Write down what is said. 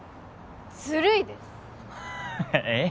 ずるいですえっ？